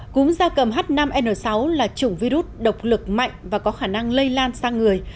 cúm da cầm h năm n sáu là chủng virus độc lực mạnh và có khả năng lây lan sang người